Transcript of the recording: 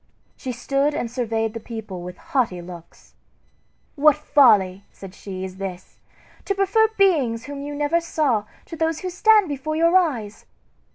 She stood and surveyed the people with haughty looks. "What folly," said she, "is this! to prefer beings whom you never saw to those who stand before your eyes!